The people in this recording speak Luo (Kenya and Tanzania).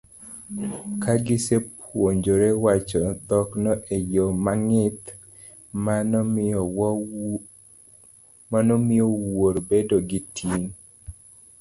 Ka gisepuonjore wacho dhokno e yo mong'ith, mano miyo wuoro bedo gi ting'